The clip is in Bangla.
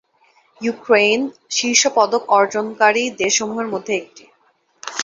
ইউক্রেন শীর্ষ পদক অর্জনকারী দেশসমূহের মধ্যে একটি।